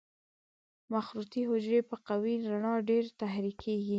مخروطي حجرې په قوي رڼا ډېرې تحریکېږي.